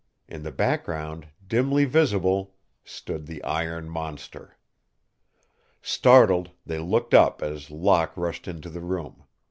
In the background, dimly visible, stood the iron monster. Startled, they looked up as Locke rushed into the room.